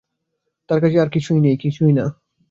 তার কাছে আর-কিছুই নেই, কিছুই না।